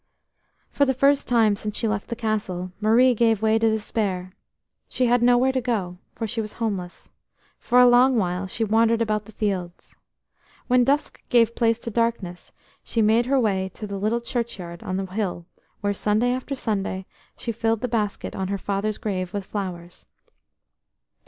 For the first time since she left the Castle, Marie gave way to despair; she had nowhere to go, for she was homeless. For a long while she wandered about the fields. When dusk gave place to darkness she made her way to the little churchyard on the hill where, Sunday after Sunday, she filled the basket on her father's grave with flowers.